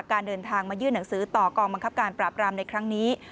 การเดินทางมายื่นหนังสือต่อกองบังคับการปราบรามในครั้งนี้